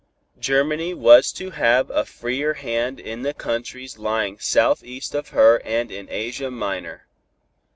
Germany was to have a freer hand in the countries lying southeast of her and in Asia Minor.